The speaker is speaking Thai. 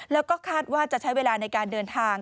แล้วก็คาดว่าจะใช้เวลาในการเดินทาง